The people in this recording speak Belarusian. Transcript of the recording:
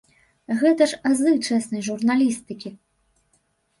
Гэта ж азы чэснай журналістыкі!